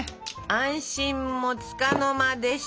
安心もつかの間でした。